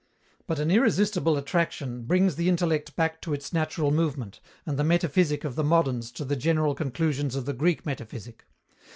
But an irresistible attraction brings the intellect back to its natural movement, and the metaphysic of the moderns to the general conclusions of the Greek metaphysic.